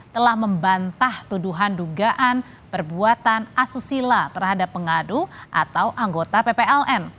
telah membantah tuduhan dugaan perbuatan asusila terhadap pengadu atau anggota ppln